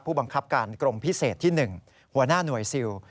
ผู้บังคับการกรมพิเศษที่๑หัวหน้าหน่วยซิล